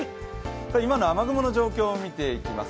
今の雨雲の状況を見ていきます。